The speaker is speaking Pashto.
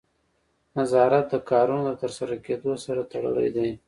نظارت د کارونو د ترسره کیدو سره تړلی دی.